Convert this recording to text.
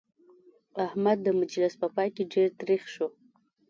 احمد د مجلس په پای کې ډېر تريخ شو.